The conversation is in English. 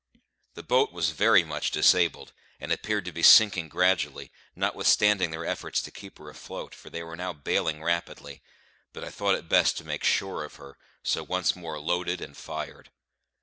The boat was very much disabled, and appeared to be sinking gradually, notwithstanding their efforts to keep her afloat, for they were now baling rapidly; but I thought it best to make sure of her, so once more loaded and fired.